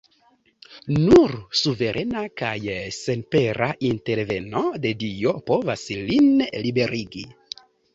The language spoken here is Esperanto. Nur suverena kaj senpera interveno de Dio povas lin liberigi.